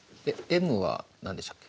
ｍは何でしたっけ？